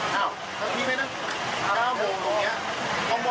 ทุกตัวฝั่งบ้านสายฝั่ง